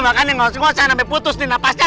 makanya gak usah ngusah sampe putus nih napasnya